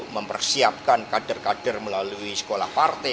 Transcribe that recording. mempersiapkan kader kader melalui sekolah partai